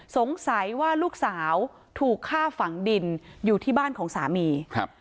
สงสัยว่าลูกสาวถูกฆ่าฝังดินอยู่ที่บ้านของสามีครับ